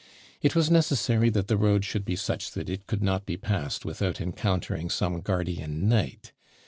It was necessary that the road should be such that it could not be passed without encountering some guardian knight.